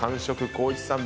光一さん